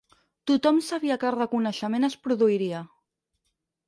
Tothom sabia que el reconeixement es produiria